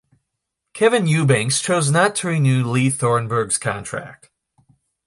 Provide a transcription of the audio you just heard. Kevin Eubanks chose not to renew Lee Thornburg's contract.